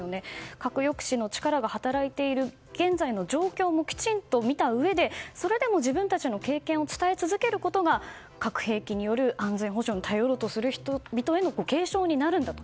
核抑止の力が働いている現在の状況もきちんと見たうえでそれでも自分たちの経験を伝え続けることが核兵器による安全保障に頼ろうとする人々への警鐘になるんだと。